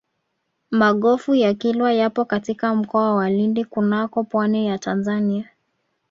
magofu ya kilwa yapo katika mkoa wa lindi kunako pwani ya tanzania